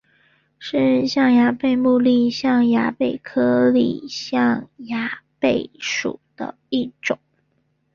是象牙贝目丽象牙贝科丽象牙贝属的一种。